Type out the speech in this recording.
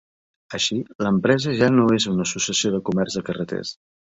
Així, l'empresa ja no és una associació de comerç de carreters.